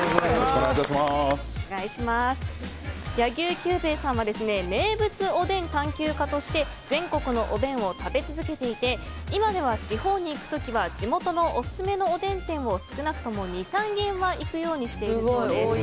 柳生九兵衛さんは名物おでん探究家として全国のおでんを食べ続けていて今では地方に行く時は地元のオススメのおでん店を少なくとも２３軒は行くようにしているそうです。